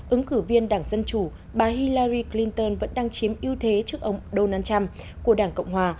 ứng cử viên đảng dân chủ bà hillary clinton vẫn đang chiếm ưu thế trước ông donald trump của đảng cộng hòa